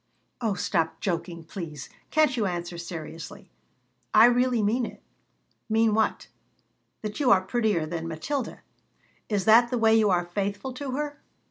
"Oh, stop joking, please! Can't you answer seriously?" "I really mean it." "Mean what?" "That you are prettier than Matilda." "Is that the way you are faithful to her?"